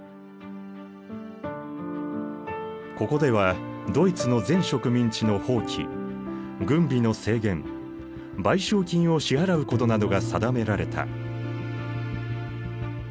ここではドイツの全植民地の放棄軍備の制限賠償金を支払うことなどが定められた。